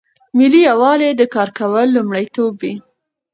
ملي یووالي ته کار کول لومړیتوب وي.